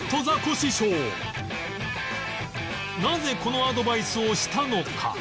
なぜこのアドバイスをしたのか？